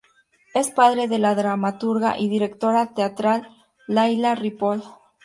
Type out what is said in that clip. Es padre de la dramaturga y directora teatral Laila Ripoll.